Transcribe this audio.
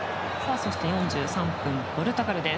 そして、４３分ポルトガルです。